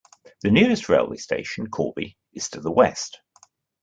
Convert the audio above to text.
The nearest railway station, Corby, is to the west.